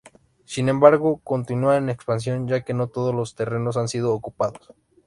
Sin embargo, continúa en expansión ya que no todos los terrenos han sido ocupados.